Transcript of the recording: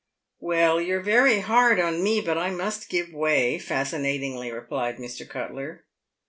" Well, you're very hard on me, but I must give way," fascinatingly replied Mr. Cuttler.